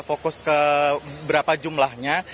fokus ke berapa jumlahnya